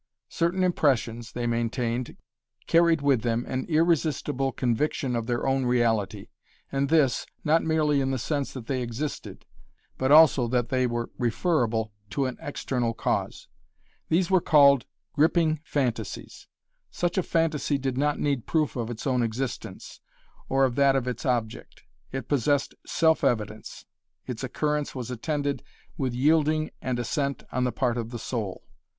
Certain impressions, they maintained, carried with them an irresistible conviction of their own reality, and this, not merely in the sense that they existed; but also that they were referable to an external cause. These were called "gripping phantasies." Such a phantasy did not need proof of its own existence, or of that of its object. It possessed self evidence. Its occurrence was attended with yielding and assent on the part of the soul.